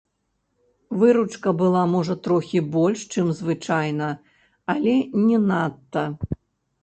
Выручка была можа трохі больш, чым звычайна, але не надта.